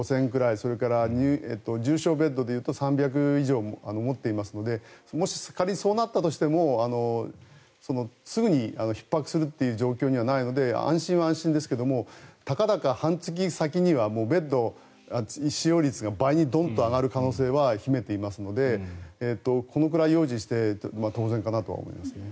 それから、重症ベッドでいうと３００以上持っていますのでもし仮にそうなったとしてもすぐにひっ迫するという状況にはないので安心は安心ですけどたかだか半月先にはもうベッド使用率が倍にドンと上がる可能性は秘めていますのでこのくらい用心して当然かなと思いますね。